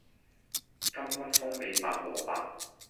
柑橘風味白蘿蔔